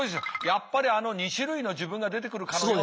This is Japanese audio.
やっぱりあの２種類の自分が出てくるかのような。